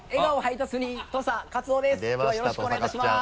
きょうはよろしくお願いいたします。